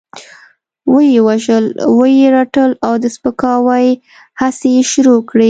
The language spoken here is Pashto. وه يې وژل، وه يې رټل او د سپکاوي هڅې يې شروع کړې.